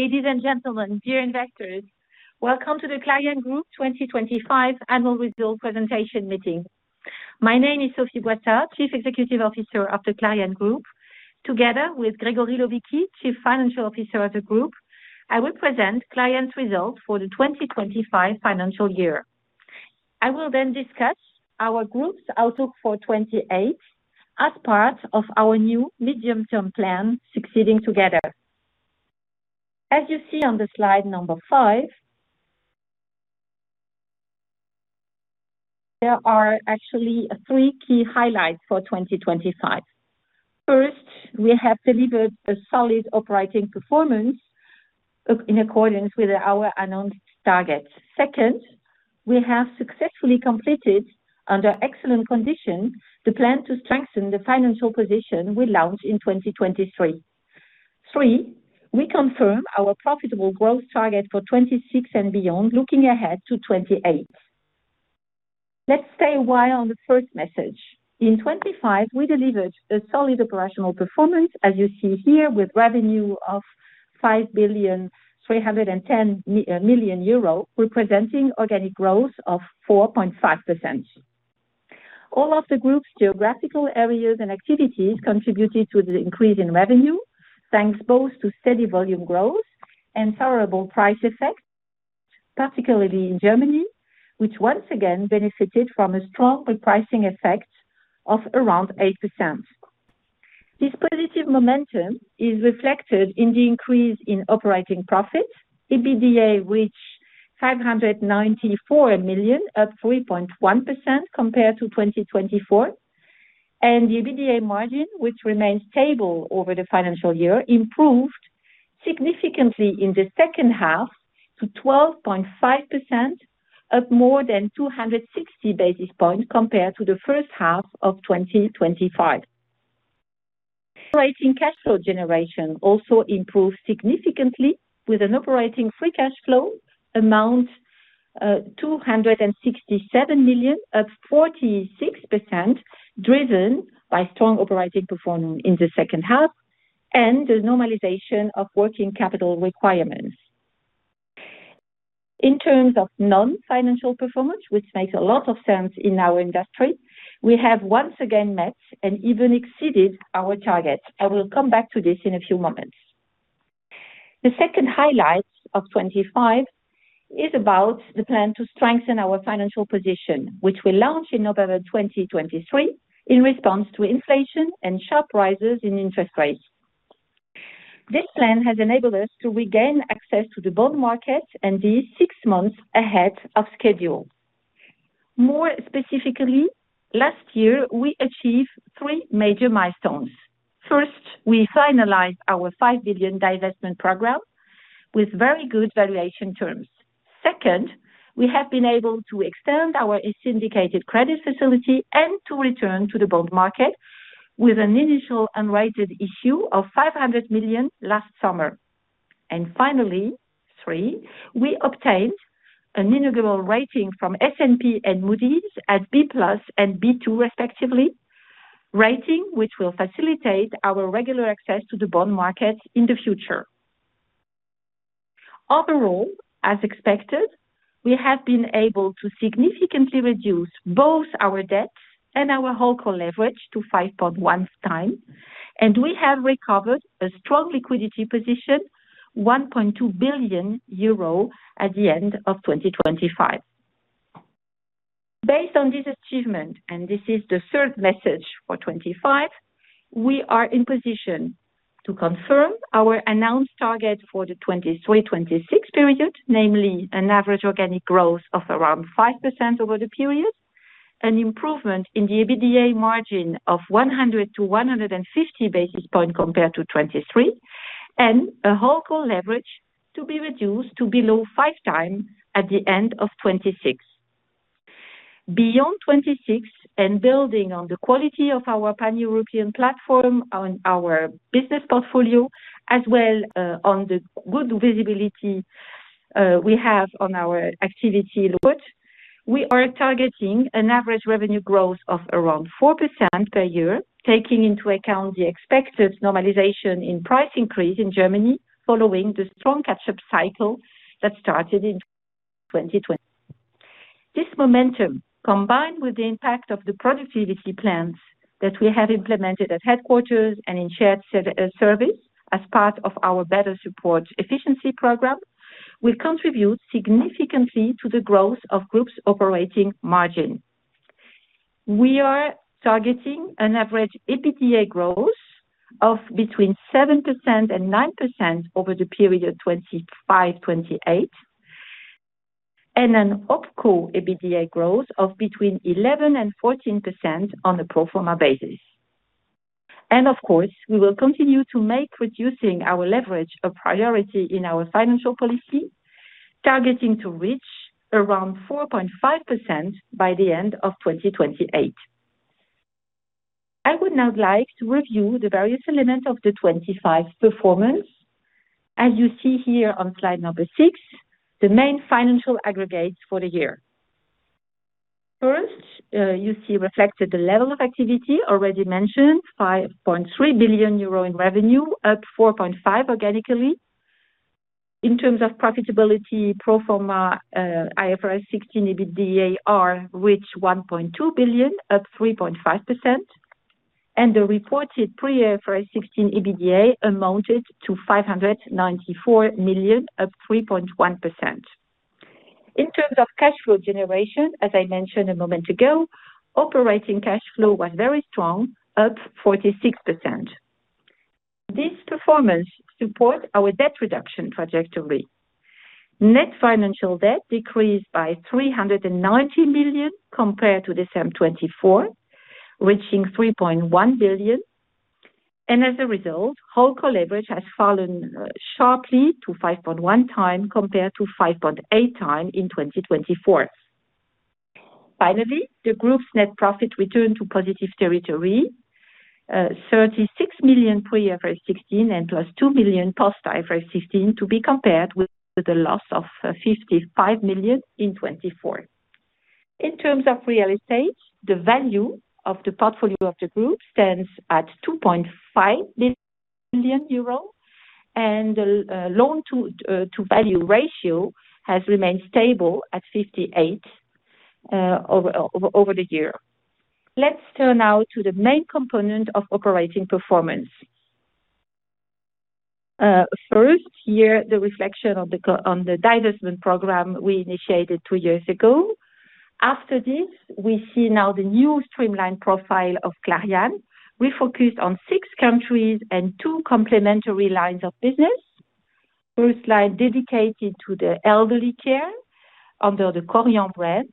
Ladies and gentlemen, dear investors, welcome to the Clariane Group 2025 annual results presentation meeting. My name is Sophie Boissard, Chief Executive Officer of the Clariane Group. Together with Grégory Lovichi, Chief Financial Officer of the group, I will present Clariane's results for the 2025 financial year. I will discuss our group's outlook for 2028 as part of our new medium-term plan, Succeeding Together. As you see on the slide number five, there are actually three key highlights for 2025. First, we have delivered a solid operating performance in accordance with our announced targets. Second, we have successfully completed, under excellent conditions, the plan to strengthen the financial position we launched in 2023. Three, we confirm our profitable growth target for 2026 and beyond, looking ahead to 2028. Let's stay a while on the first message. In 2025, we delivered a solid operational performance, as you see here, with revenue of 5,310 million euro, representing organic growth of 4.5%. All of the group's geographical areas and activities contributed to the increase in revenue, thanks both to steady volume growth and favorable price effects, particularly in Germany, which once again benefited from a strong repricing effect of around 8%. This positive momentum is reflected in the increase in operating profits, EBITDA, which 594 million, up 3.1% compared to 2024, and the EBITDA margin, which remains stable over the financial year, improved significantly in the second half to 12.5%, up more than 260 basis points compared to the first half of 2025. Operating cash flow generation also improved significantly with an operating free cash flow amount, 267 million, up 46%, driven by strong operating performance in the second half and the normalization of working capital requirements. In terms of non-financial performance, which makes a lot of sense in our industry, we have once again met and even exceeded our targets. I will come back to this in a few moments. The second highlight of 2025 is about the plan to strengthen our financial position, which we launched in November 2023 in response to inflation and sharp rises in interest rates. This plan has enabled us to regain access to the bond market and be six months ahead of schedule. More specifically, last year, we achieved three major milestones. First, we finalized our 5 billion divestment program with very good valuation terms. Second, we have been able to extend our syndicated credit facility and to return to the bond market with an initial unrated issue of 500 million last summer. Finally, three, we obtained an inaugural rating from S&P and Moody's at B+ and B2, respectively, rating, which will facilitate our regular access to the bond market in the future. Overall, as expected, we have been able to significantly reduce both our debt and our HoldCo leverage to 5.1x, and we have recovered a strong liquidity position, 1.2 billion euro at the end of 2025. Based on this achievement, this is the third message for 2025, we are in position to confirm our announced targets for the 2023-2026 period, namely an average organic growth of around 5% over the period, an improvement in the EBITDA margin of 100-150 basis points compared to 2023, and a HoldCo leverage to be reduced to below 5x at the end of 2026. Beyond 2026, building on the quality of our Pan-European platform on our business portfolio, as well, on the good visibility, we have on our activity load, we are targeting an average revenue growth of around 4% per year, taking into account the expected normalization in price increase in Germany following the strong catch-up cycle that started in 2020. This momentum, combined with the impact of the productivity plans that we have implemented at headquarters and in shared service as part of our Better support efficiency program, will contribute significantly to the growth of Group's operating margin. We are targeting an average EBITDA growth of between 7% and 9% over the period 2025-2028, and an OpCo EBITDA growth of between 11% and 14% on a pro forma basis. Of course, we will continue to make reducing our leverage a priority in our financial policy, targeting to reach around 4.5% by the end of 2028. I would now like to review the various elements of the 2025 performance. As you see here on slide number six, the main financial aggregates for the year. First, you see reflected the level of activity already mentioned, 5.3 billion euro in revenue, up 4.5% organically. In terms of profitability, pro forma IFRS 16 EBITDA reached 1.2 billion, up 3.5%, and the reported pre-IFRS 16 EBITDA amounted to 594 million, up 3.1%. In terms of cash flow generation, as I mentioned a moment ago, operating cash flow went very strong, up 46%. This performance support our debt reduction trajectory. Net financial debt decreased by 390 million compared to December 2024, reaching 3.1 billion. As a result, HoldCo leverage has fallen sharply to 5.1x, compared to 5.8x in 2024. Finally, the group's net profit returned to positive territory, 36 million pre-IFRS 16 and +2 million post-IFRS 16, to be compared with the loss of 55 million in 2024. In terms of real estate, the value of the portfolio of the group stands at 2.5 billion euros, and the loan-to-value ratio has remained stable at 58% over the year. Let's turn now to the main component of operating performance. First, here, the reflection on the divestment program we initiated two years ago. After this, we see now the new streamlined profile of Clariane. We focused on 6six countries and two complementary lines of business. First line dedicated to the elderly care under the Korian brand,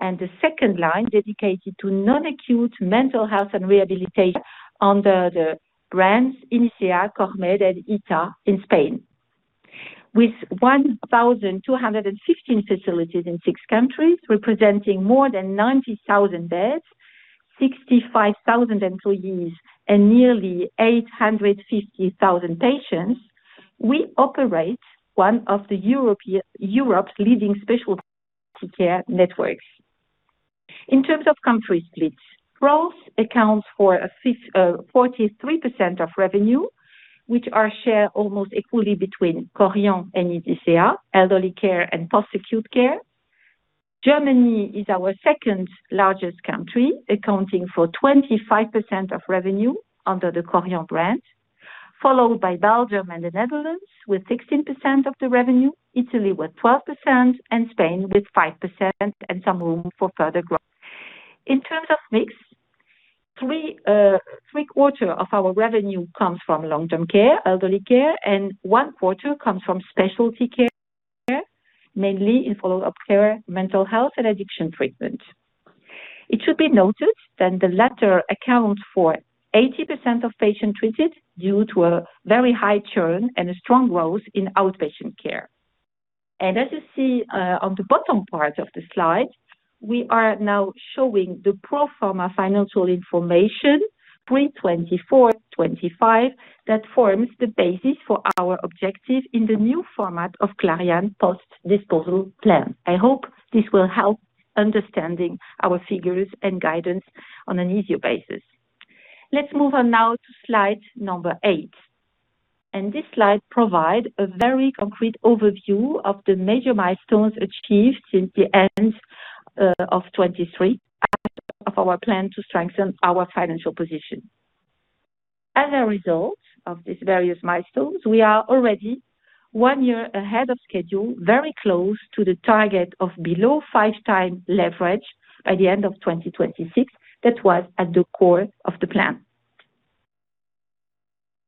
and the second line dedicated to non-acute mental health and rehabilitation under the brands Inicea, Kormed, and Ita in Spain. With 1,215 facilities in six countries, representing more than 90,000 beds, 65,000 employees and nearly 850,000 patients, we operate one of Europe's leading specialty care networks. In terms of country split, growth accounts for a 43% of revenue, which are shared almost equally between Korian and Inicea, elderly care and post-acute care. Germany is our second largest country, accounting for 25% of revenue under the Korian brand, followed by Belgium and the Netherlands, with 16% of the revenue, Italy with 12%, and Spain with 5% and some room for further growth. In terms of mix, three quarter of our revenue comes from long-term care, elderly care, and one quarter comes from specialty care, mainly in follow-up care, mental health, and addiction treatment. It should be noted that the latter account for 80% of patients treated due to a very high churn and a strong growth in outpatient care. As you see, on the bottom part of the slide, we are now showing the pro forma financial information, pre 2024, 2025, that forms the basis for our objective in the new format of Clariane post disposal plan. I hope this will help understanding our figures and guidance on an easier basis. Let's move on now to slide number eight. This slide provide a very concrete overview of the major milestones achieved since the end of 2023, of our plan to strengthen our financial position. As a result of these various milestones, we are already one year ahead of schedule, very close to the target of below 5x leverage by the end of 2026. That was at the core of the plan.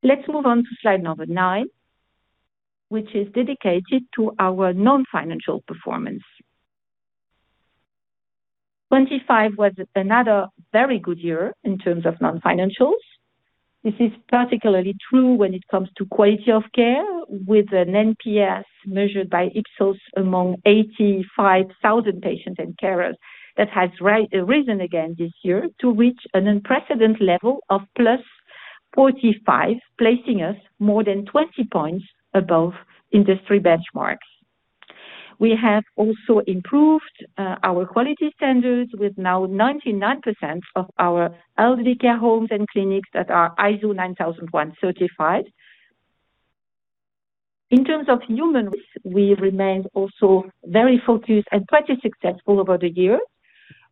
Let's move on to slide number nine, which is dedicated to our non-financial performance. 2025 was another very good year in terms of non-financials. This is particularly true when it comes to quality of care, with an NPS measured by Ipsos among 85,000 patients and carers. That has risen again this year to reach an unprecedented level of +45, placing us more than 20 points above industry benchmarks. We have also improved our quality standards, with now 99% of our elderly care homes and clinics that are ISO 9001 certified. In terms of human, we remain also very focused and quite successful over the years.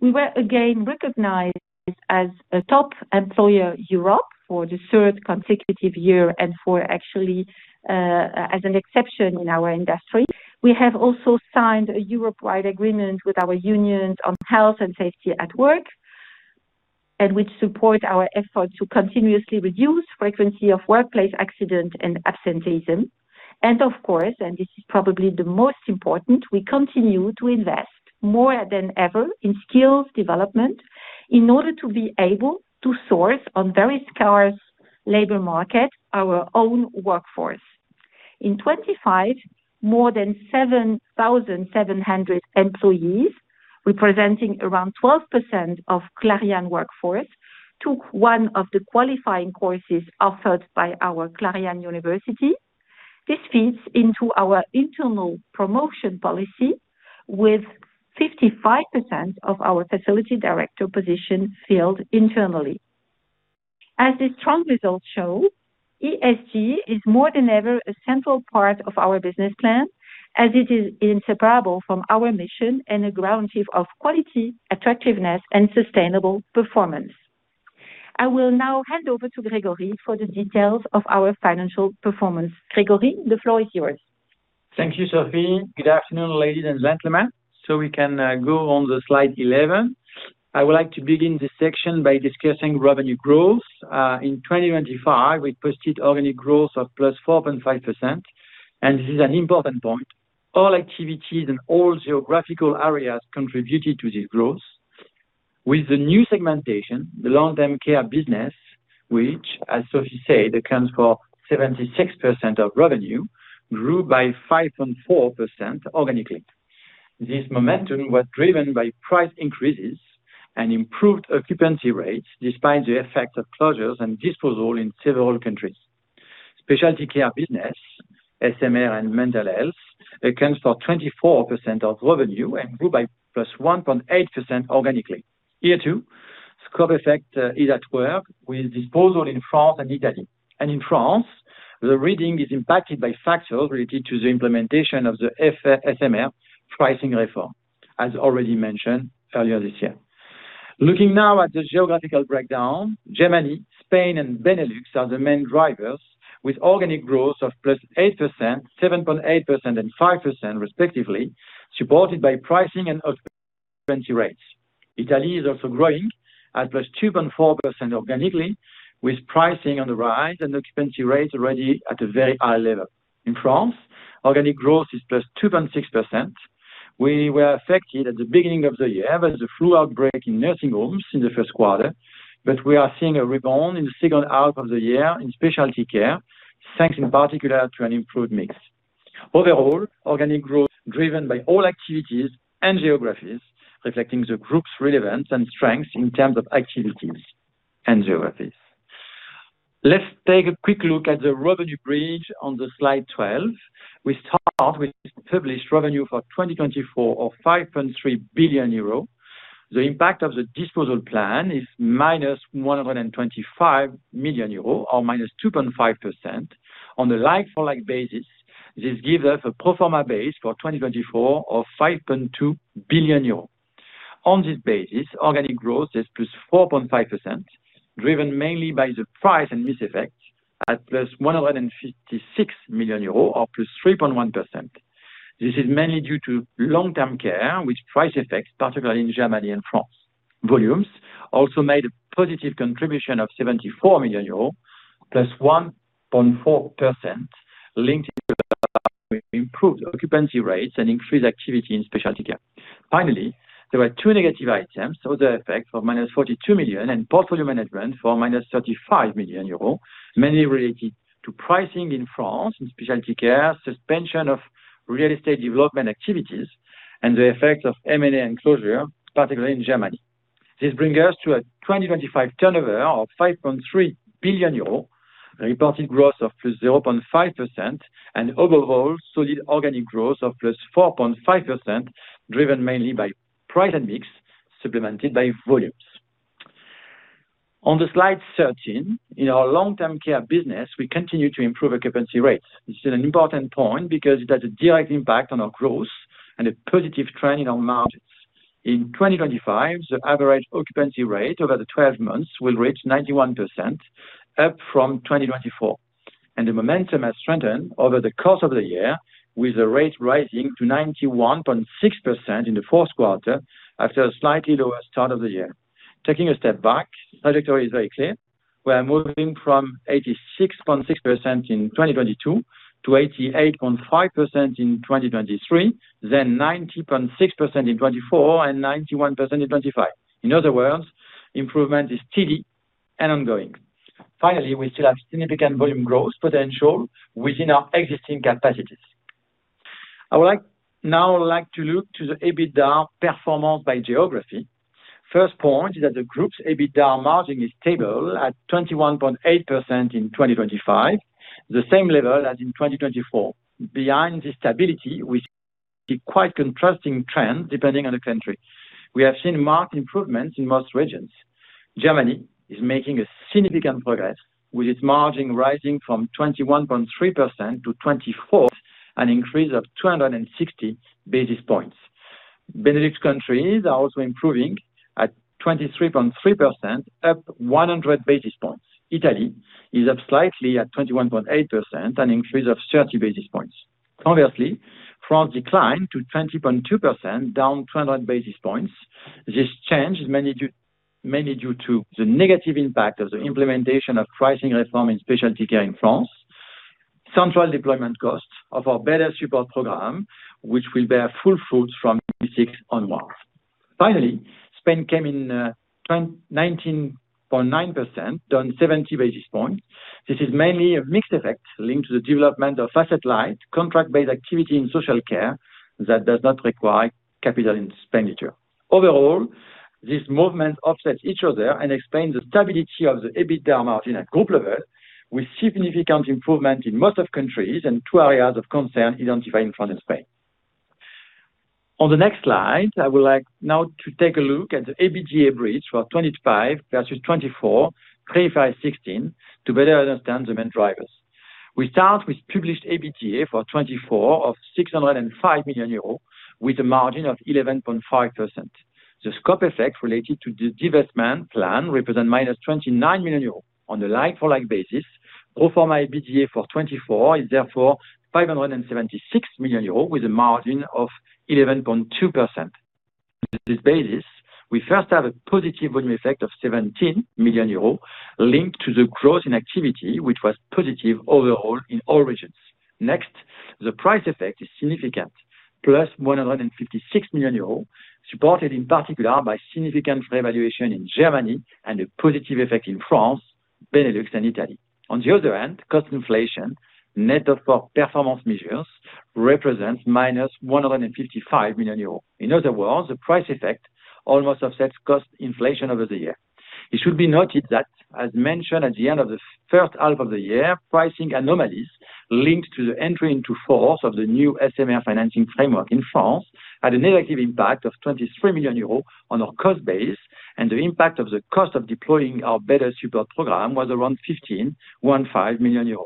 We were again recognized as a Top Employer Europe for the third consecutive year and for actually, as an exception in our industry. We have also signed a Europe-wide agreement with our unions on health and safety at work, and which support our efforts to continuously reduce frequency of workplace accident and absenteeism. Of course, and this is probably the most important, we continue to invest more than ever in skills development in order to be able to source on very scarce labor market, our own workforce. In 2025, more than 7,700 employees, representing around 12% of Clariane workforce, took one of the qualifying courses offered by our Clariane University. This feeds into our internal promotion policy, with 55% of our facility director position filled internally. As the strong results show, ESG is more than ever a central part of our business plan, as it is inseparable from our mission and a guarantee of quality, attractiveness, and sustainable performance. I will now hand over to Gregory for the details of our financial performance. Gregory, the floor is yours. Thank you, Sophie. Good afternoon, ladies and gentlemen. We can go on the slide 11. I would like to begin this section by discussing revenue growth. In 2025, we posted organic growth of +4.5%, and this is an important point. All activities in all geographical areas contributed to this growth. With the new segmentation, the long-term care business, which, as Sophie said, accounts for 76% of revenue, grew by 5.4% organically. This momentum was driven by price increases and improved occupancy rates, despite the effect of closures and disposal in several countries. Specialty care business, SMR and mental health, accounts for 24% of revenue and grew by +1.8% organically. Here, too, scope effect is at work with disposal in France and Italy. In France, the reading is impacted by factors related to the implementation of the F-SMR pricing reform, as already mentioned earlier this year. Looking now at the geographical breakdown, Germany, Spain, and Benelux are the main drivers, with organic growth of +8%, 7.8%, and 5% respectively, supported by pricing and occupancy rates. Italy is also growing at +2.4% organically, with pricing on the rise and occupancy rates already at a very high level. In France, organic growth is +2.6%. We were affected at the beginning of the year by the flu outbreak in nursing homes in the first quarter, but we are seeing a rebound in the second half of the year in specialty care, thanks in particular to an improved mix. Overall, organic growth driven by all activities and geographies, reflecting the Group's relevance and strengths in terms of activities and geographies. Let's take a quick look at the revenue bridge on the slide 12. We start with published revenue for 2024 of 5.3 billion euro. The impact of the disposal plan is -125 million euro, or -2.5%. On a like-for-like basis, this gives us a pro forma base for 2024 of 5.2 billion euros. On this basis, organic growth is +4.5%, driven mainly by the price and mix effect at +156 million euros, or +3.1%. This is mainly due to long-term care, with price effects, particularly in Germany and France. Volumes also made a positive contribution of 74 million euros, +1.4%, linked with improved occupancy rates and increased activity in specialty care. Finally, there were two negative items: other effects for -42 million and portfolio management for -35 million euro, mainly related to pricing in France, in specialty care, suspension of real estate development activities, and the effect of M&A and closure, particularly in Germany. This brings us to a 2025 turnover of 5.3 billion euros, a reported growth of +0.5%, and overall solid organic growth of +4.5%, driven mainly by price and mix, supplemented by volumes. On the slide 13, in our long-term care business, we continue to improve occupancy rates. This is an important point because it has a direct impact on our growth and a positive trend in our margins. In 2025, the average occupancy rate over the 12 months will reach 91%, up from 2024. The momentum has strengthened over the course of the year, with the rate rising to 91.6% in the fourth quarter after a slightly lower start of the year. Taking a step back, trajectory is very clear. We are moving from 86.6% in 2022 to 88.5% in 2023, 90.6% in 2024, and 91% in 2025. In other words, improvement is steady and ongoing. Finally, we still have significant volume growth potential within our existing capacities. Now I would like to look to the EBITDA performance by geography. First point is that the group's EBITDA margin is stable at 21.8% in 2025, the same level as in 2024. Behind this stability, we see quite contrasting trend depending on the country. We have seen marked improvements in most regions. Germany is making a significant progress, with its margin rising from 21.3%-24%, an increase of 260 basis points. Benelux countries are also improving at 23.3%, up 100 basis points. Italy is up slightly at 21.8%, an increase of 30 basis points. Obviously, France declined to 20.2%, down 200 basis points. This change is mainly due to the negative impact of the implementation of pricing reform in specialty care in France, central deployment costs of our Better support program, which will bear full fruits from 2026 onwards. Spain came in twin 19.9%, down 70 basis points. This is mainly a mix effect linked to the development of asset-light, contract-based activity in social care that does not require capital expenditure. These movements offset each other and explain the stability of the EBITDA margin at group level, with significant improvement in most of countries and two areas of concern identified in France and Spain. I would like now to take a look at the EBITDA bridge for 2025 versus 2024, IFRS 16, to better understand the main drivers. We start with published EBITDA for 2024 of 605 million euros, with a margin of 11.5%. The scope effect related to the divestment plan represent minus 29 million euros on a like-for-like basis. Pro forma EBITDA for 2024 is therefore 576 million euros, with a margin of 11.2%. This basis, we first have a positive volume effect of 17 million euros, linked to the growth in activity, which was positive overall in all regions. The price effect is significant, +156 million euros, supported in particular by significant revaluation in Germany and a positive effect in France, Benelux, and Italy. Cost inflation, net of our performance measures, represents -155 million euros. In other words, the price effect almost offsets cost inflation over the year. It should be noted that, as mentioned at the end of the first half of the year, pricing anomalies linked to the entry into force of the new SMR financing framework in France, had a negative impact of 23 million euros on our cost base, and the impact of the cost of deploying our Better support program was around 15 million euros.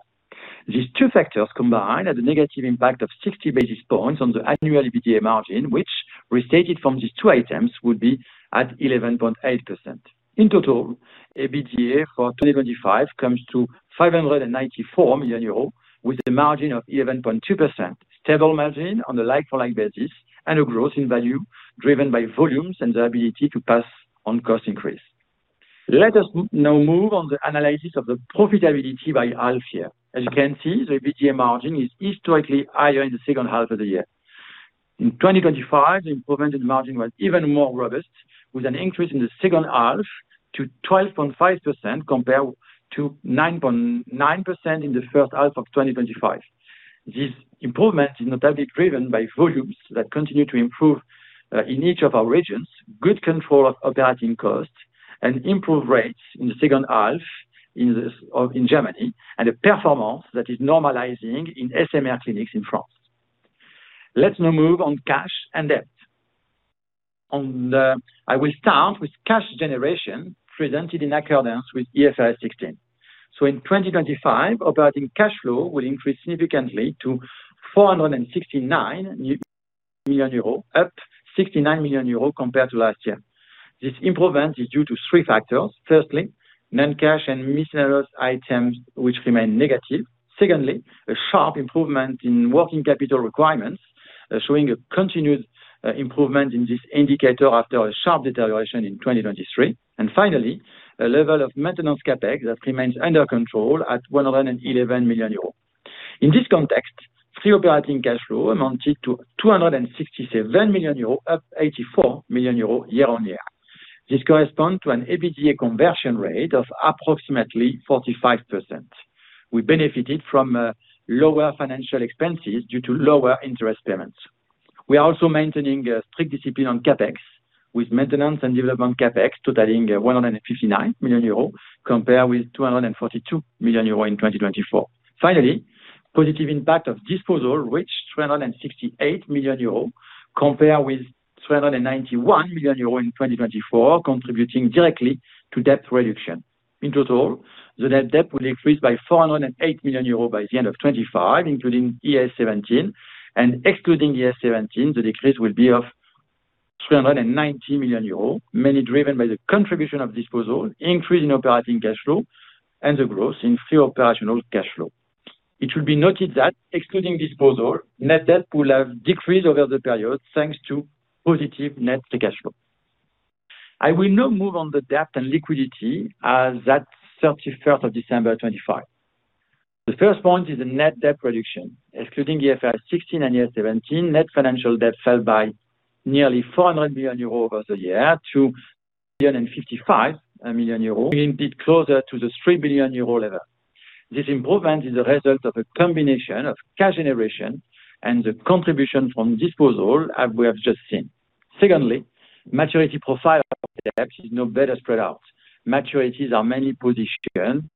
These two factors combined had a negative impact of 60 basis points on the annual EBITDA margin, which restated from these two items, would be at 11.8%. In total, EBITDA for 2025 comes to 594 million euros, with a margin of 11.2%, stable margin on the like-for-like basis, and a growth in value driven by volumes and the ability to pass on cost increase. Let us now move on the analysis of the profitability by half year. As you can see, the EBITDA margin is historically higher in the second half of the year. In 2025, the improvement in margin was even more robust, with an increase in the second half to 12.5%, compared to 9.9% in the first half of 2025. This improvement is notably driven by volumes that continue to improve in each of our regions, good control of operating costs and improved rates in the second half in Germany, and a performance that is normalizing in SMR clinics in France. Let's now move on cash and debt. I will start with cash generation presented in accordance with IFRS 16. In 2025, operating cash flow will increase significantly to 469 million euros, up 69 million euros compared to last year. This improvement is due to three factors. Firstly, non-cash and miscellaneous items which remain negative. Secondly, a sharp improvement in working capital requirements, showing a continued improvement in this indicator after a sharp deterioration in 2023. Finally, a level of maintenance CapEx that remains under control at 111 million euros. In this context, free operating cash flow amounted to 267 million euros, up 84 million euros year-on-year. This correspond to an EBITDA conversion rate of approximately 45%. We benefited from lower financial expenses due to lower interest payments. We are also maintaining strict discipline on CapEx, with maintenance and development CapEx totaling 159 million euros, compared with 242 million euros in 2024. Positive impact of disposal, which 368 million euros, compared with 391 million euros in 2024, contributing directly to debt reduction. In total, the net debt will increase by 408 million euros by the end of 2025, including IFRS 17. Excluding IFRS 17, the decrease will be of 390 million euros, mainly driven by the contribution of disposal, increase in operating cash flow, and the growth in free operational cash flow. It should be noted that excluding disposal, net debt will have decreased over the period, thanks to positive net free cash flow. I will now move on the debt and liquidity as at 31st of December 2025. The first point is the net debt reduction, excluding the IFRS 16 and IFRS 17, net financial debt fell by nearly 400 million euro over the year to 355 million euro, being bit closer to the 3 billion euro level. This improvement is a result of a combination of cash generation and the contribution from disposal, as we have just seen. Secondly, maturity profile is now better spread out. Maturities are mainly positioned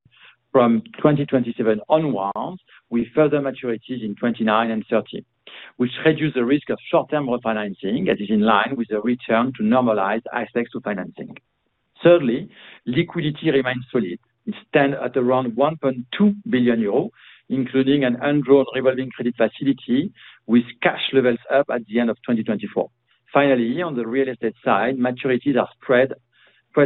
from 2027 onwards, with further maturities in 2029 and 2030, which reduce the risk of short-term refinancing and is in line with the return to normalize aspects to financing. Thirdly, liquidity remains solid. It stand at around 1.2 billion euros, including an undrawn revolving credit facility, with cash levels up at the end of 2024. On the real estate side, maturities are spread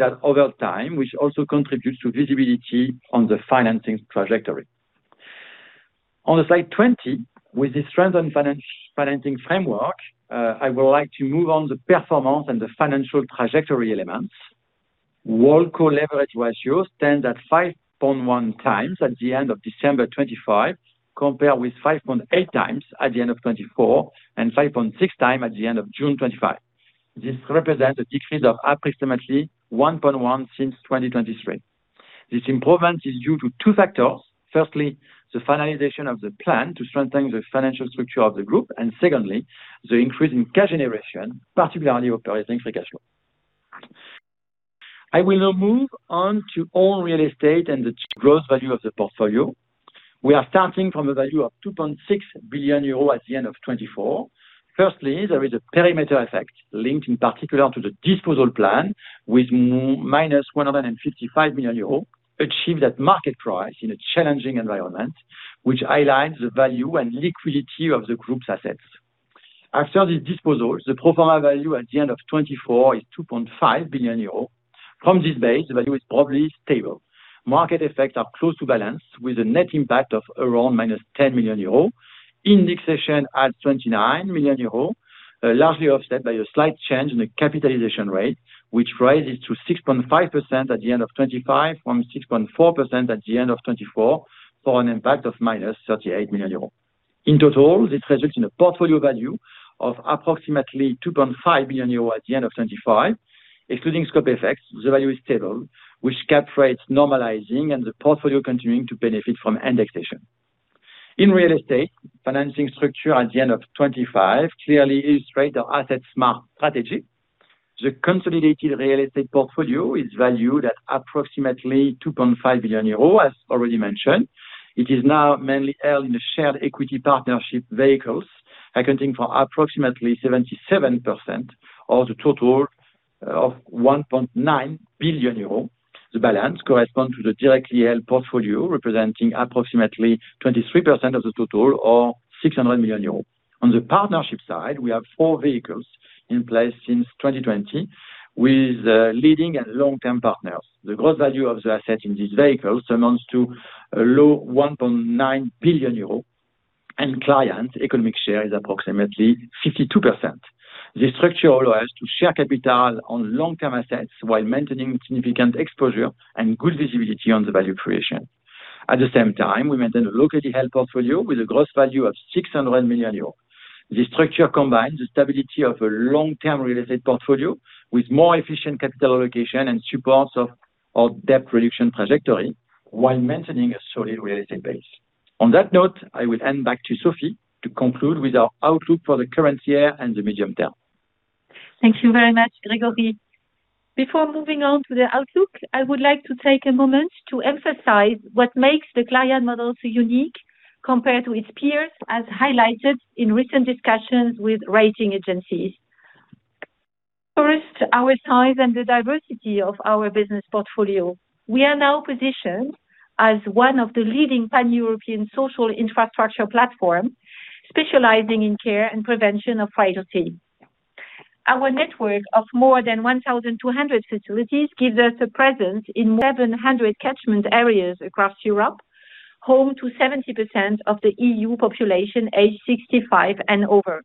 out over time, which also contributes to visibility on the financing trajectory. On the slide 20, with the strength on financing framework, I would like to move on the performance and the financial trajectory elements. Wholeco leverage ratio stands at 5.1x at the end of December 2025, compared with 5.8x at the end of 2024, and 5.6x at the end of June 2025. This represents a decrease of approximately 1.1 since 2023. This improvement is due to two factors. Firstly, the finalization of the plan to strengthen the financial structure of the group, and secondly, the increase in cash generation, particularly operating free cash flow. I will now move on to own real estate and the growth value of the portfolio. We are starting from a value of 2.6 billion euros at the end of 2024. Firstly, there is a perimeter effect linked in particular to the disposal plan, with -155 million euros, achieved at market price in a challenging environment, which highlights the value and liquidity of the group's assets. After this disposal, the pro forma value at the end of 2024 is 2.5 billion euro. From this base, the value is probably stable. Market effects are close to balance, with a net impact of around -10 million euro. Indexation at 29 million euro, largely offset by a slight change in the capitalization rate, which rises to 6.5% at the end of 2025, from 6.4% at the end of 2024, for an impact of -38 million euros. This results in a portfolio value of approximately 2.5 billion euros at the end of 2025. Excluding scope effects, the value is stable, with cap rates normalizing and the portfolio continuing to benefit from indexation. In real estate, financing structure at the end of 2025 clearly illustrates the asset-smart strategy. The consolidated real estate portfolio is valued at approximately 2.5 billion euros, as already mentioned. It is now mainly held in the shared equity partnership vehicles, accounting for approximately 77% of the total of 1.9 billion euro. The balance correspond to the directly held portfolio, representing approximately 23% of the total, or 600 million euros. On the partnership side, we have four vehicles in place since 2020, with leading and long-term partners. The gross value of the asset in these vehicles amounts to a low 1.9 billion euro, and client economic share is approximately 52%. This structure allows to share capital on long-term assets while maintaining significant exposure and good visibility on the value creation. At the same time, we maintain a locally held portfolio with a gross value of 600 million euros. This structure combines the stability of a long-term real estate portfolio with more efficient capital allocation and supports of debt reduction trajectory, while maintaining a solid real estate base. On that note, I will hand back to Sophie to conclude with our outlook for the current year and the medium term. Thank you very much, Grégory. Before moving on to the outlook, I would like to take a moment to emphasize what makes the Clariane model so unique compared to its peers, as highlighted in recent discussions with rating agencies. First, our size and the diversity of our business portfolio. We are now positioned as one of the leading Pan-European social infrastructure platform, specializing in care and prevention of frailty. Our network of more than 1,200 facilities gives us a presence in more than 100 catchment areas across Europe, home to 70% of the EU population, aged 65 and over.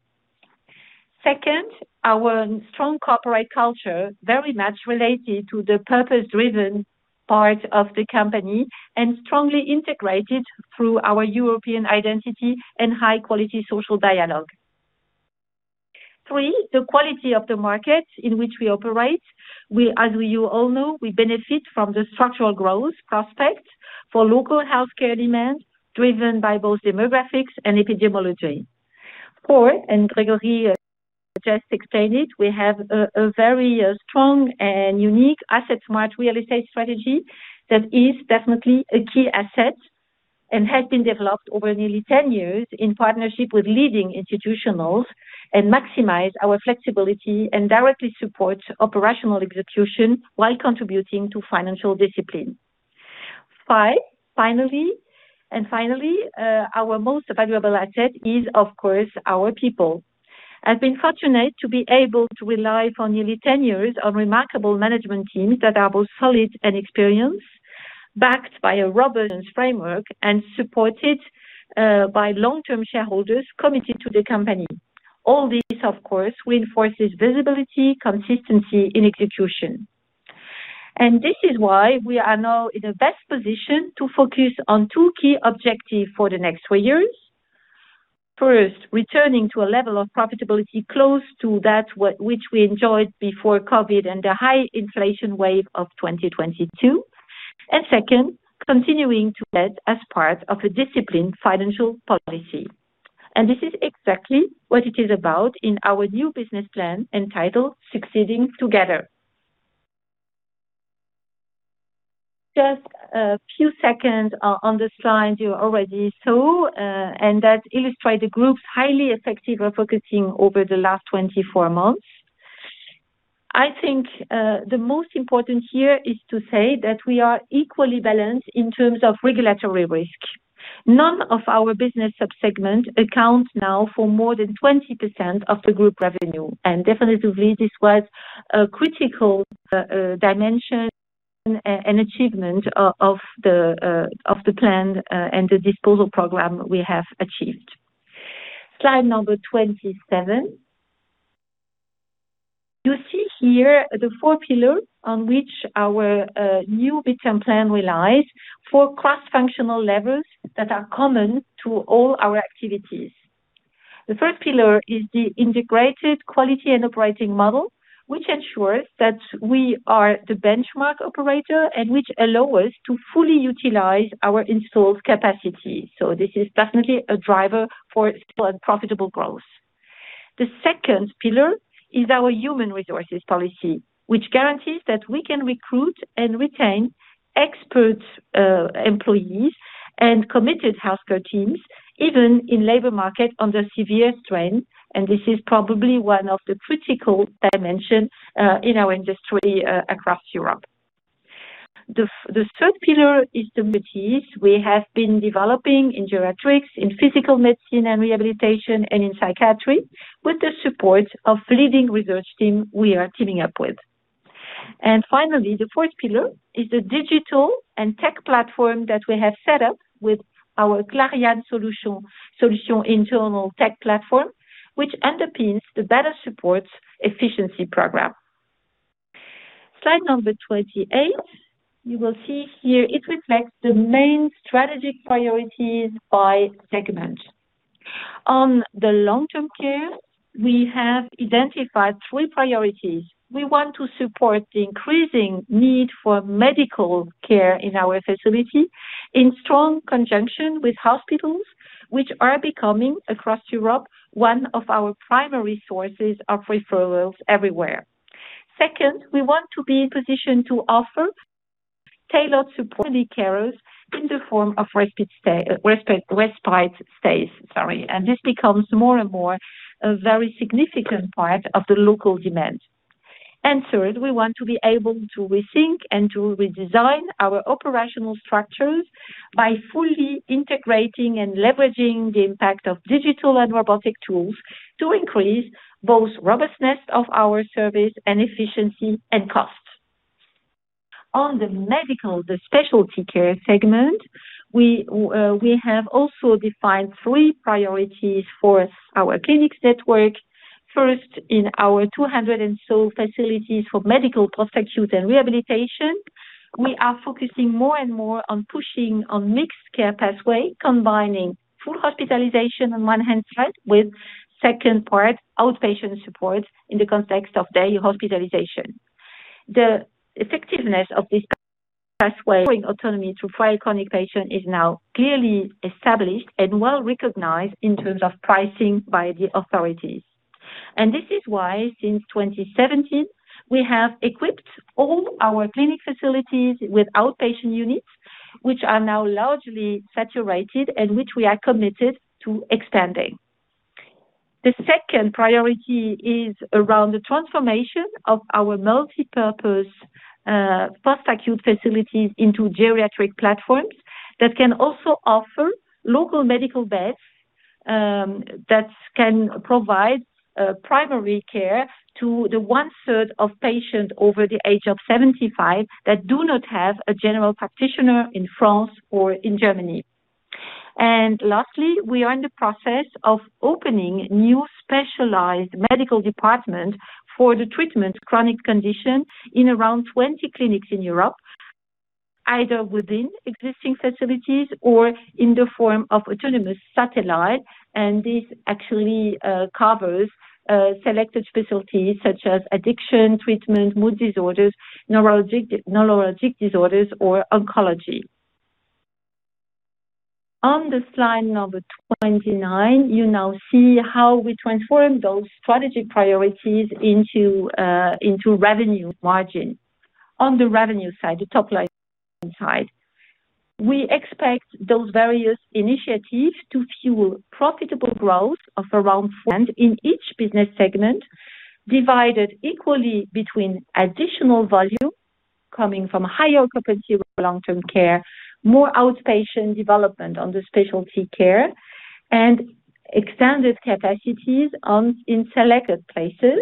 Second, our strong corporate culture, very much related to the purpose-driven part of the company, and strongly integrated through our European identity and high-quality social dialogue. Three, the quality of the market in which we operate. We, as you all know, we benefit from the structural growth prospects for local healthcare demand, driven by both demographics and epidemiology. Four, Grégory just explained it, we have a very strong and unique asset-smart real estate strategy that is definitely a key asset and has been developed over nearly 10 years in partnership with leading institutionals, and maximize our flexibility and directly support operational execution while contributing to financial discipline. Five, finally, our most valuable asset is, of course, our people. I've been fortunate to be able to rely for nearly 10 years on remarkable management teams that are both solid and experienced, backed by a robust framework and supported by long-term shareholders committed to the company. All this, of course, reinforces visibility, consistency in execution. This is why we are now in the best position to focus on two key objectives for the next three years. First, returning to a level of profitability close to that which we enjoyed before COVID and the high inflation wave of 2022. Second, continuing to lead as part of a disciplined financial policy. This is exactly what it is about in our new business plan entitled Succeeding Together. Just a few seconds on the slide you already saw, that illustrates the group's highly effective focusing over the last 24 months. I think, the most important here is to say that we are equally balanced in terms of regulatory risk. None of our business sub-segments account now for more than 20% of the Group revenue. Definitively, this was a critical dimension and achievement of the plan and the disposal program we have achieved. Slide number 27. You see here the four pillars on which our new midterm plan relies, 4 cross-functional levels that are common to all our activities. The first pillar is the integrated quality and operating model, which ensures that we are the benchmark operator and which allow us to fully utilize our installed capacity. This is definitely a driver for stable and profitable growth. The second pillar is our human resources policy, which guarantees that we can recruit and retain expert employees and committed healthcare teams, even in labor market, under severe strain. This is probably one of the critical dimensions in our industry across Europe. The third pillar is the expertise we have been developing in geriatrics, in physical medicine and rehabilitation, and in psychiatry, with the support of leading research team we are teaming up with. Finally, the fourth pillar is the digital and tech platform that we have set up with our Clariane Solution internal tech platform, which underpins the Better support efficiency program. Slide number 28. You will see here it reflects the main strategic priorities by segment. On the long-term care, we have identified three priorities. We want to support the increasing need for medical care in our facility, in strong conjunction with hospitals, which are becoming, across Europe, one of our primary sources of referrals everywhere. Second, we want to be in position to offer tailored support careers in the form of respite stays, sorry. This becomes more and more a very significant part of the local demand. Third, we want to be able to rethink and to redesign our operational structures by fully integrating and leveraging the impact of digital and robotic tools to increase both robustness of our service and efficiency and cost. The medical, the specialty care segment, we have also defined three priorities for our clinic network. First, in our 200 and so facilities for medical, post-acute and rehabilitation, we are focusing more and more on pushing on mixed care pathway, combining full hospitalization on one hand side, with second part, outpatient support in the context of day hospitalization. The effectiveness of this pathway, autonomy to chronic patient, is now clearly established and well recognized in terms of pricing by the authorities. This is why, since 2017, we have equipped all our clinic facilities with outpatient units, which are now largely saturated and which we are committed to expanding. The second priority is around the transformation of our multipurpose post-acute facilities into geriatric platforms, that can also offer local medical beds, that can provide primary care to the 1/3 of patients over the age of 75, that do not have a general practitioner in France or in Germany. Lastly, we are in the process of opening new specialized medical department for the treatment chronic condition in around 20 clinics in Europe, either within existing facilities or in the form of autonomous satellite, and this actually covers selected specialties such as addiction treatment, mood disorders, neurologic disorders, or oncology. On the slide number 29, you now see how we transform those strategic priorities into revenue margin. On the revenue side, the top line side, we expect those various initiatives to fuel profitable growth of around and in each business segment, divided equally between additional volume coming from higher capacity for long-term care, more outpatient development on the specialty care and extended capacities in selected places.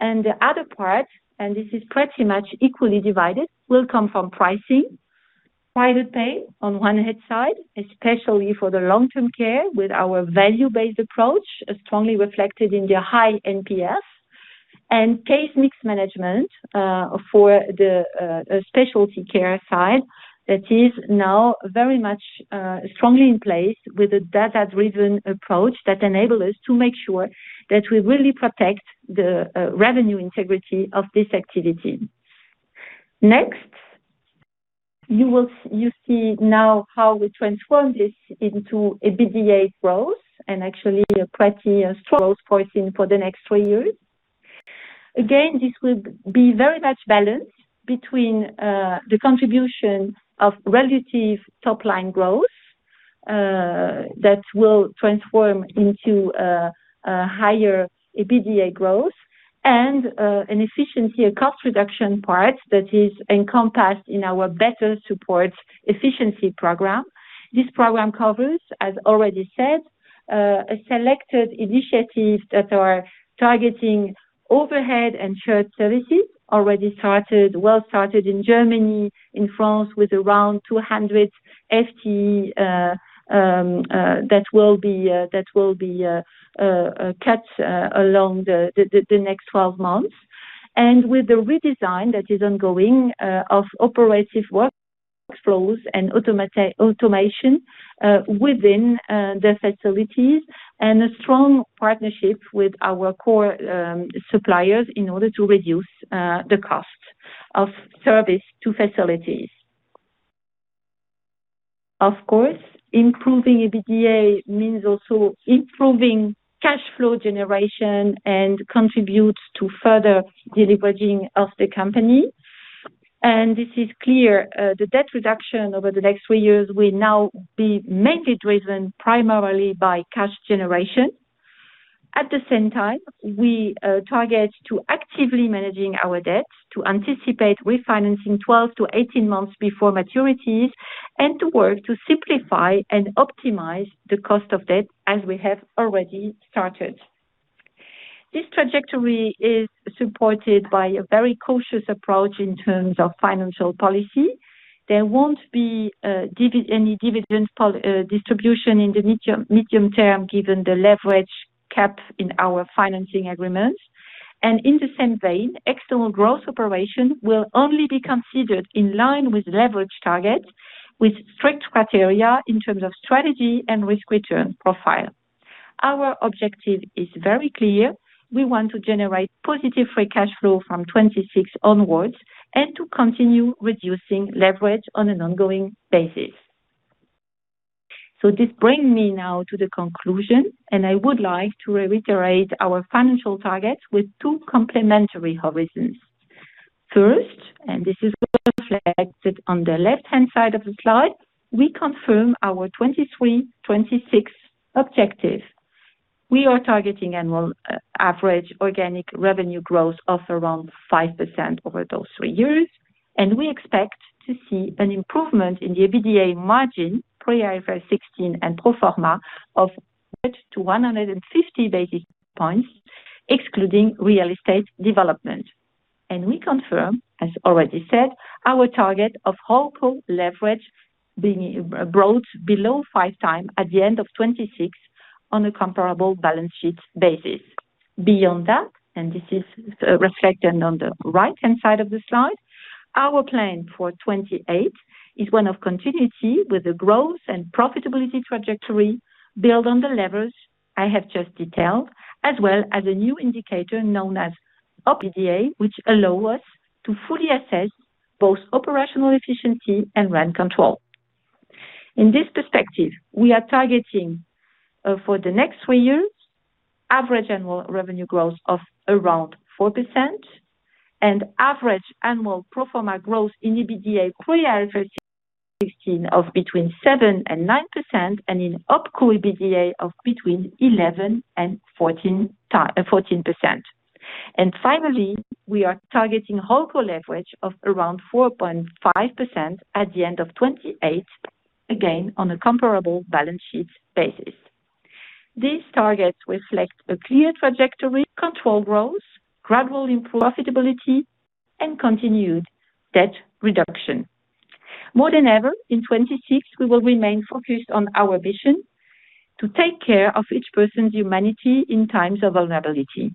The other part, and this is pretty much equally divided, will come from pricing. Private pay on one hand side, especially for the long-term care, with our value-based approach, is strongly reflected in the high NPS and case mix management for the specialty care side. That is now very much strongly in place with a data-driven approach that enable us to make sure that we really protect the revenue integrity of this activity. Next, you see now how we transform this into a EBITDA growth and actually a pretty strong growth foreseen for the next three years. Again, this will be very much balanced between the contribution of relative top line growth that will transform into a higher EBITDA growth and an efficiency and cost reduction part that is encompassed in our Better support efficiency program. This program covers, as already said, a selected initiatives that are targeting overhead and shared services. Already started, well started in Germany, in France, with around 200 FTE that will be cut along the next 12 months. With the redesign that is ongoing of operative workflows and automation within the facilities and a strong partnership with our core suppliers in order to reduce the cost of service to facilities. Of course, improving EBITDA means also improving cash flow generation and contributes to further deleveraging of the company. This is clear, the debt reduction over the next three years will now be mainly driven primarily by cash generation. At the same time, we target to actively managing our debt, to anticipate refinancing 12 -18 months before maturities, and to work to simplify and optimize the cost of debt as we have already started. This trajectory is supported by a very cautious approach in terms of financial policy. There won't be any dividend distribution in the medium term, given the leverage cap in our financing agreements. In the same vein, external growth operation will only be considered in line with leverage targets, with strict criteria in terms of strategy and risk return profile. Our objective is very clear. We want to generate positive free cash flow from 2026 onwards, and to continue reducing leverage on an ongoing basis. This bring me now to the conclusion, and I would like to reiterate our financial targets with two complementary horizons. First, this is reflected on the left-hand side of the slide, we confirm our 2023-2026 objective. We are targeting annual average organic revenue growth of around 5% over those three years, and we expect to see an improvement in the EBITDA margin, pre-IFRS 16 and pro forma, of up to 150 basis points, excluding real estate development. We confirm, as already said, our target of Wholeco leverage being brought below 5x at the end of 2026 on a comparable balance sheet basis. Beyond that, this is reflected on the right-hand side of the slide, our plan for 2028 is one of continuity with the growth and profitability trajectory built on the levers I have just detailed, as well as a new indicator known as OPIDA, which allow us to fully assess both operational efficiency and rent control. In this perspective, we are targeting for the next three years, average annual revenue growth of around 4% and average annual pro forma growth in EBITDA pre-IFRS 16 of between 7%-9%, and in OpCo EBITDA of between 11%-14%. Finally, we are targeting Wholeco leverage of around 4.5% at the end of 2028, again, on a comparable balance sheet basis. These targets reflect a clear trajectory, controlled growth, gradual improved profitability, and continued debt reduction. More than ever, in 2026, we will remain focused on our vision to take care of each person's humanity in times of vulnerability.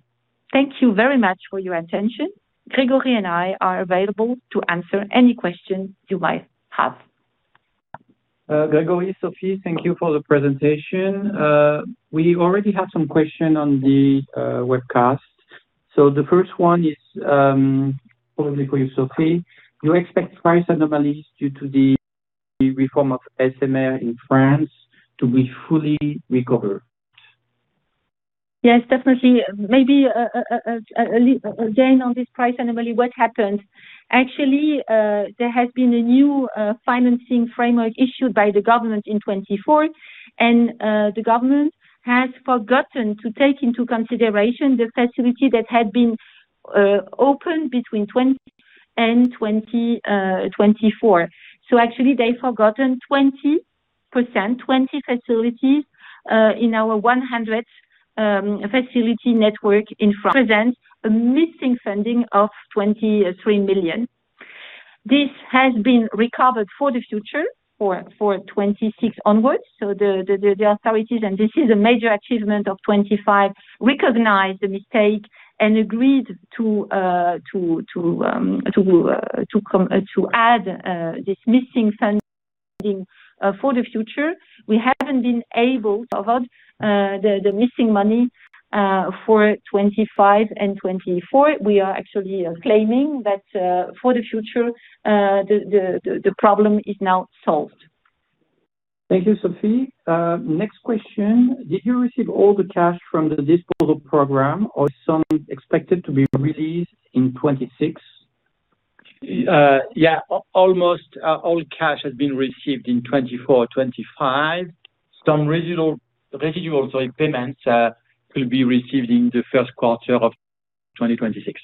Thank you very much for your attention. Grégory and I are available to answer any questions you might have. Gregory, Sophie, thank you for the presentation. We already have some questions on the webcast. The first one is probably for you, Sophie. Do you expect price anomalies due to the reform of SMR in France to be fully recovered? Yes, definitely. Maybe, a little again, on this price anomaly, what happened? Actually, there has been a new financing framework issued by the government in 2024, and the government has forgotten to take into consideration the facility that had been open between 2020 and 2024. Actually, they've forgotten 20%, 20 facilities, in our 100 facility network in front, present a missing funding of 23 million. This has been recovered for the future, for 2026 onwards. The authorities, and this is a major achievement of 2025, recognized the mistake and agreed to add this missing funding for the future. We haven't been able to cover the missing money for 2025 and 2024. We are actually claiming that, for the future, the problem is now solved. Thank you, Sophie. Next question, Did you receive all the cash from the disposal program, or is some expected to be released in 2026? Almost all cash has been received in 2024, 2025. Some residual payments will be received in the first quarter of 2026.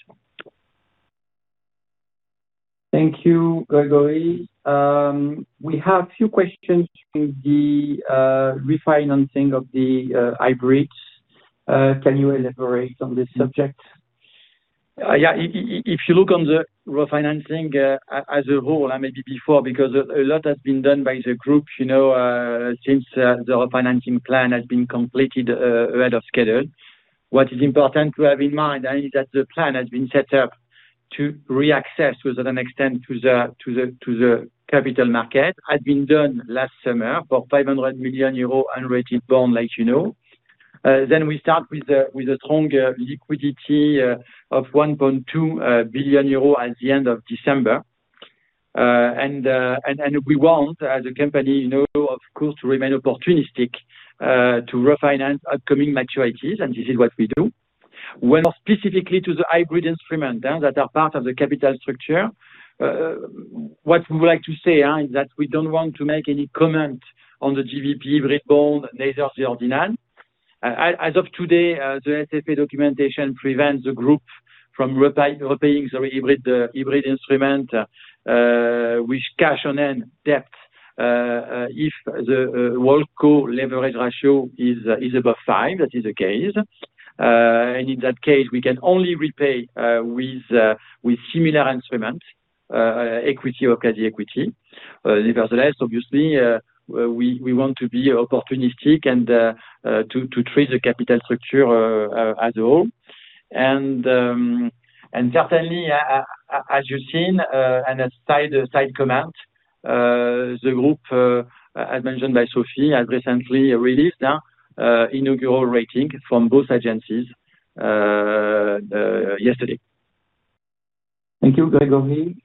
Thank you, Gregory. We have few questions from the refinancing of the hybrids. Can you elaborate on this subject? Yea, If you look on the refinancing as I go before a lot has been done by the group, you know change of the refinancing plan has been completed ahead of schedule. What is important to have in mind is that the plan has been setup to re-access to the extent of the capital market. I've been done last summer for 500 million euro and I already let you know then we start with the tonger liquidity of 1.2 billion euro at the end of December and we wont the company know and remain opportunistic to refinance [inaudible] and this is what we do. When, specifically to the hybrid instrument, then, that are part of the capital structure. What we would like to say, is that we don't want to make any comment on the GBP repo, neither the ordinal. As of today, the S&P documentation prevents the group from repaying the hybrid instrument, with cash on end depth. If the Wholeco leverage ratio is above five, that is the case. In that case, we can only repay, with similar instruments, equity or quasi equity. Nevertheless, obviously, we want to be opportunistic and, to treat the capital structure, as a whole. Certainly, as you've seen, and a side command, the group, as mentioned by Sophie, has recently released now, inaugural rating from both agencies, yesterday. Thank you, Gregory.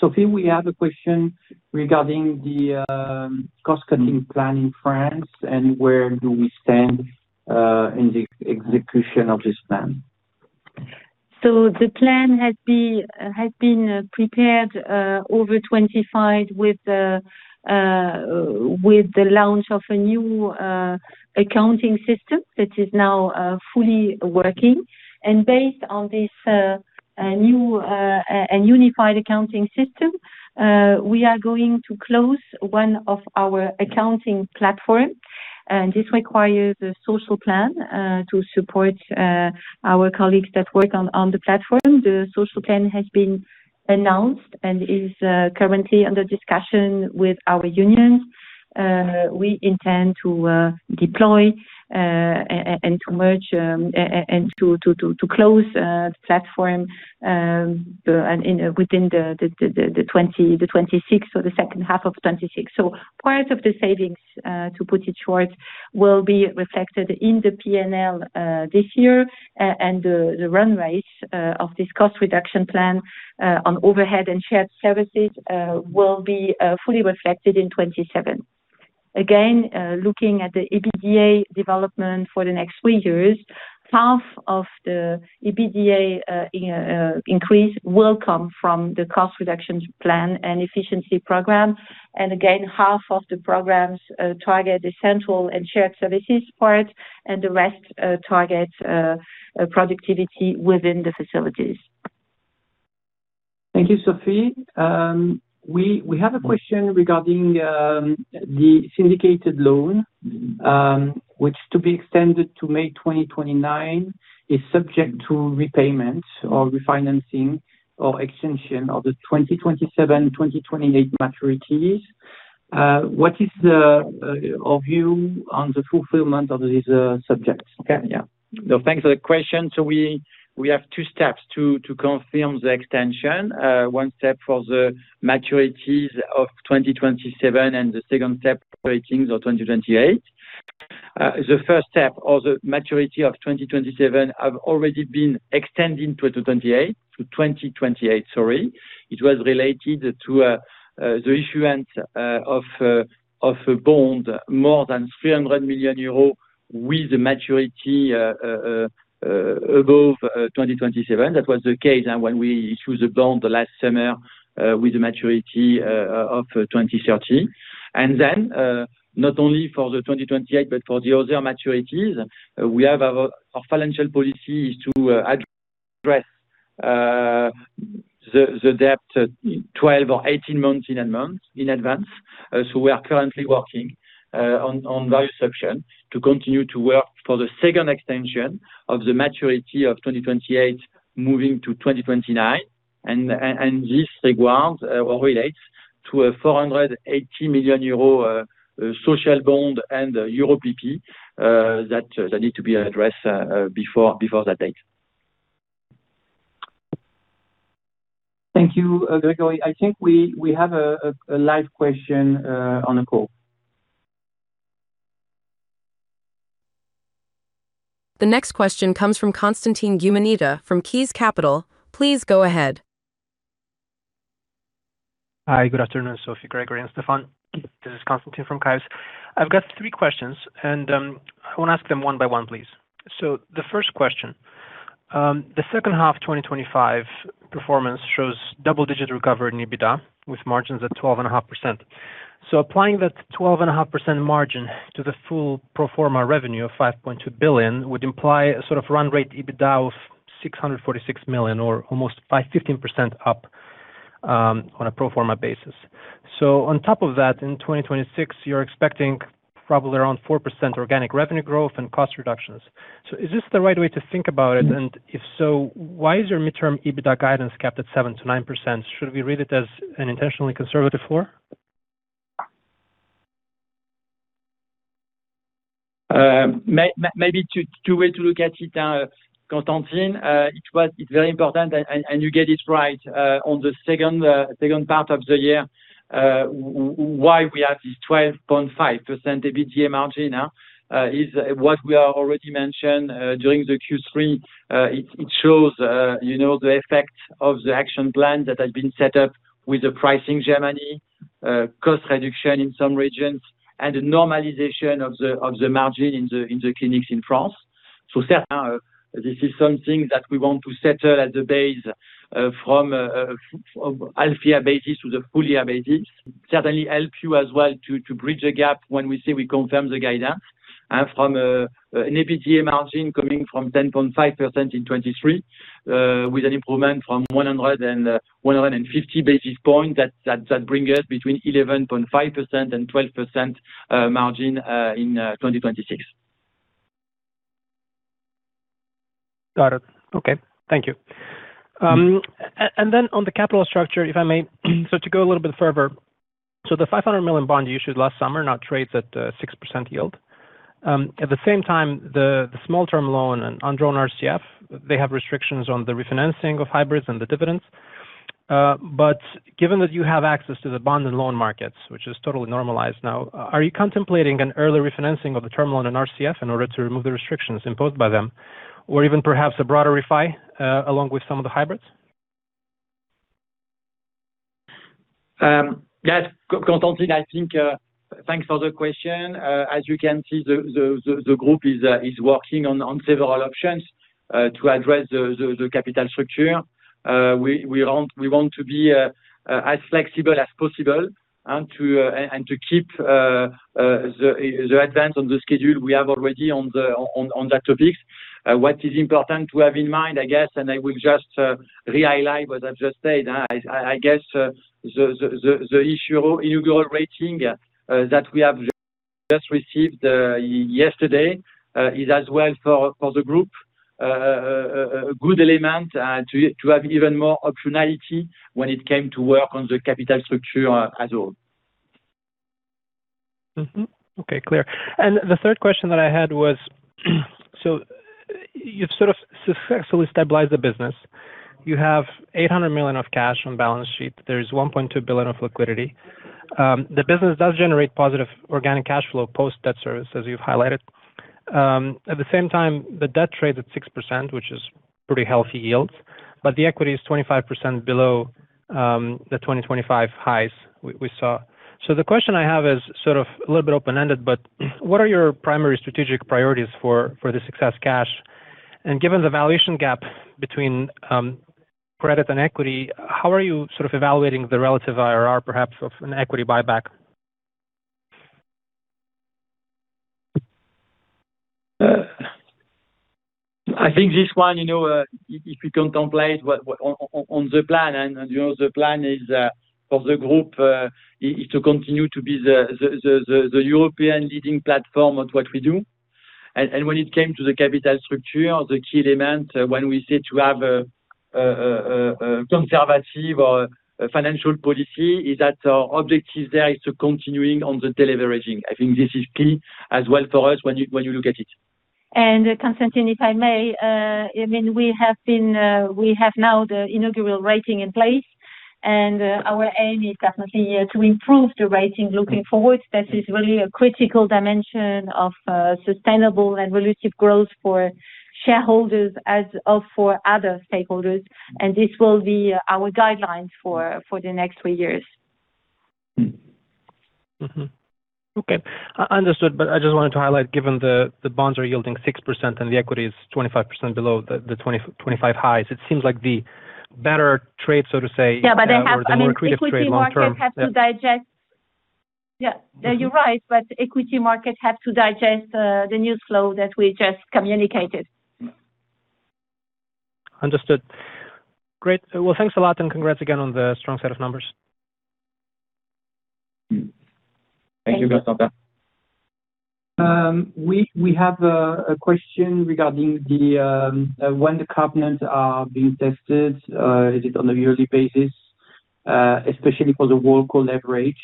Sophie, we have a question regarding the cost-cutting plan in France, and where do we stand in the execution of this plan? The plan has been prepared over 2025 with the launch of a new accounting system, that is now fully working. Based on this, a new, an unified accounting system, we are going to close one of our accounting platforms. This requires a social plan to support our colleagues that work on the platform. The social plan has been announced and is currently under discussion with our unions. We intend to deploy and to merge and to close the platform within the 2026 or the second half of 2026. Part of the savings, to put it short, will be reflected in the PNL this year. The run rate of this cost reduction plan on overhead and shared services will be fully reflected in 2027. Looking at the EBITDA development for the next three years, half of the EBITDA increase will come from the cost reduction plan and efficiency program. Half of the programs target the central and shared services part, and the rest target productivity within the facilities. Thank you, Sophie. We have a question regarding the syndicated loan, which to be extended to May 2029, is subject to repayment or refinancing, or extension of the 2027, 2028 maturities. What is the of you on the fulfillment of these subjects? Okay, yeah. Thanks for the question. We have two steps to confirm the extension. One step for the maturities of 2027, and the second step ratings of 2028. The first step, or the maturity of 2027, have already been extending to 2028, sorry. It was related to the issuance of a bond more than 300 million euros, with the maturity above 2027. That was the case when we issued the bond last summer, with the maturity of 2030. Not only for the 2028, but for the other maturities, we have our financial policy is to address the debt 12 or 18 months in advance. We are currently working on various sections to continue to work for the second extension of the maturity of 2028, moving to 2029. This requires or relates to a 480 million euro social bond and Euro PP that need to be addressed before that date. Thank you, Grégory. I think we have a live question on the call. The next question comes from Constantin Guimanidafrom Keys Capital. Please go ahead. Hi, good afternoon, Sophie, Gregory, and Stéphane. This is Constantin from Kepler Cheuvreux. I've got three questions, and I want to ask them one by one, please. The first question. The second half of 2025 performance shows double-digit recovery in EBITDA, with margins at 12.5%. Applying that 12.5% margin to the full pro forma revenue of 5.2 billion, would imply a sort of run rate EBITDA of 646 million, or almost 515% up on a pro forma basis. On top of that, in 2026, you're expecting probably around 4% organic revenue growth and cost reductions. Is this the right way to think about it? If so, why is your midterm EBITDA guidance capped at 7%-9%? Should we read it as an intentionally conservative floor? maybe two way to look at it, Constantin. It's very important, and you get it right, on the second part of the year, why we have this 12.5% EBITDA margin now, is what we are already mentioned, during the Q3. It shows, you know, the effect of the action plan that has been set up with the price in Germany, cost reduction in some regions, and the normalization of the margin in the clinics in France. Certainly, this is something that we want to settle as the base, from half year basis to the full year basis. Certainly helps you as well to bridge the gap when we say we confirm the guidance, from an EBITDA margin coming from 10.5% in 2023, with an improvement from 150 basis points, that bring us between 11.5% and 12% margin in 2026. Got it. Okay, thank you. On the capital structure, if I may so to go a little bit further. The 500 million bond you issued last summer, now trades at 6% yield. At the same time, the small term loan on drawn RCF, they have restrictions on the refinancing of hybrids and the dividends. Given that you have access to the bond and loan markets, which is totally normalized now, are you contemplating an early refinancing of the term loan and RCF in order to remove the restrictions imposed by them, or even perhaps a broader refi along with some of the hybrids? Yes, Constantin, I think, thanks for the question. As you can see, the group is working on several options to address the capital structure. We want to be as flexible as possible and to keep the advance on the schedule we have already on that topic. What is important to have in mind, I guess, and I will just re-highlight what I've just said, I guess, the issue inaugural rating that we have just received yesterday is as well for the group a good element to have even more optionality when it came to work on the capital structure as well. Okay, clear. The third question that I had was, you've sort of successfully stabilized the business. You have 800 million of cash on balance sheet. There's 1.2 billion of liquidity. The business does generate positive organic cash flow post-debt service, as you've highlighted. At the same time, the debt trades at 6%, which is pretty healthy yields, but the equity is 25% below the 2025 highs we saw. The question I have is sort of a little bit open-ended, but what are your primary strategic priorities for the success cash? Given the valuation gap between credit and equity, how are you sort of evaluating the relative IRR, perhaps of an equity buyback? I think this one, you know, if you contemplate what on the plan, and, you know, the plan is for the Clariane Group, is to continue to be the European leading platform on what we do. When it came to the capital structure, the key element when we said to have a conservative or financial policy, is that our objective there is to continuing on the deleveraging. I think this is key as well for us when you, when you look at it. Constantin, if I may, I mean, we have now the inaugural rating in place, and our aim is definitely to improve the rating looking forward. That is really a critical dimension of sustainable and relative growth for shareholders as of for other stakeholders, and this will be our guidelines for the next three years. Okay, understood, I just wanted to highlight, given the bonds are yielding 6%, the equity is 25% below the 2025 highs, it seems like the better trade, so to say- Yeah, they have, I mean- The more creative trade long term. Equity market have to digest. Yeah, you're right, but equity market have to digest, the news flow that we just communicated. Understood. Great. Well, thanks a lot, and congrats again on the strong set of numbers. Thank you, Constantin. Thank you. We have a question regarding when the covenants are being tested. Is it on a yearly basis, especially for the Wholeco leverage?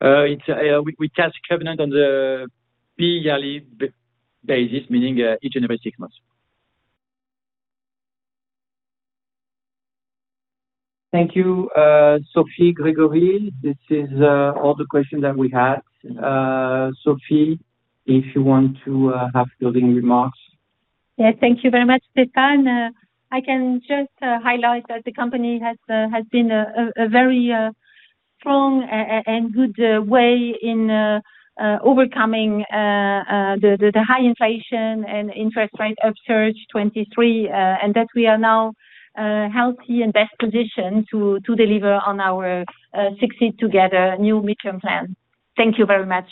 It's we test covenant on the bi-yearly basis, meaning each individual months. Thank you, Sophie, Gregory. This is all the questions that we had. Sophie, if you want to have closing remarks. Yeah. Thank you very much, Stefan. I can just highlight that the company has been a very strong and good way in overcoming the high inflation and interest rate upsurge 2023, and that we are now healthy and best positioned to deliver on our Succeed Together New Midterm Plan. Thank you very much.